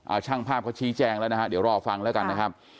เอาช่างภาพเขาชี้แจงแล้วนะฮะเดี๋ยวรอฟังแล้วกันนะครับ